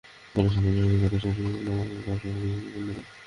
Gallery সাজানো হয়েছে তাদের তৈরি শাড়ি, ওড়না, মালাসহ বিভিন্ন পণ্য দিয়ে।